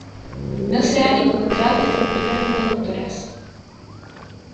No se han encontrado Estructuras reproductoras.